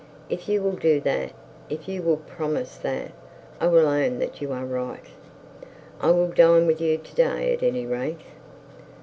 'If you will do that, if you will promise that, I will own that you are right.' 'I will dine with you to day, at any rate.'